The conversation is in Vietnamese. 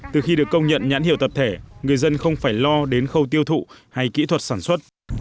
từ khi được công nhận nhãn hiệu tập thể người dân không phải lo đến khâu tiêu thụ hay kỹ thuật sản xuất